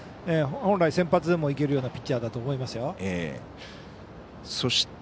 本来先発でもいけるようなピッチャーだと思いますよ。